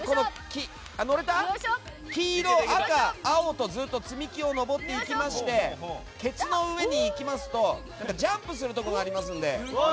黄色、赤、青とずっと積み木を登っていきましてケツの上に行きますとジャンプするところがあります。